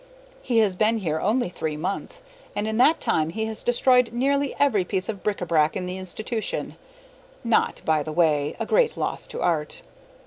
He has been here only three months, and in that time he has destroyed nearly every piece of bric a brac in the institution not, by the way, a great loss to art.